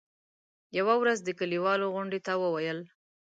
يوه ورځ د کلیوالو غونډې ته وویل.